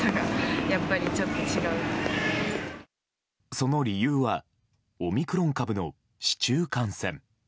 その理由はオミクロン株の市中感染。